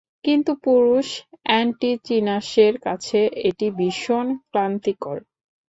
কিন্তু পুরুষ অ্যান্টিচিনাসের কাছে এটি ভীষণ ক্লান্তিকর।